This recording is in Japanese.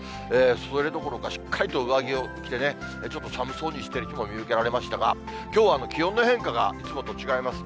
それどころかしっかりと上着を着てね、ちょっと寒そうにしている人も見受けられましたが、きょうは気温の変化がいつもと違います。